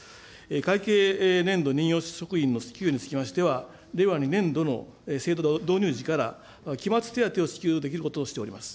会計年度任用職員も普及につきましては、令和２年度の制度導入時から、期末手当を支給することをしております。